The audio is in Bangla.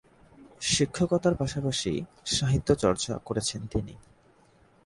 শিক্ষকতার পাশাপাশি সাহিত্যচর্চা করেছেন তিনি।